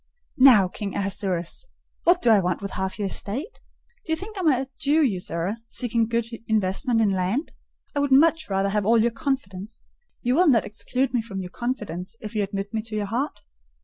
"Now, King Ahasuerus! What do I want with half your estate? Do you think I am a Jew usurer, seeking good investment in land? I would much rather have all your confidence. You will not exclude me from your confidence if you admit me to your heart?"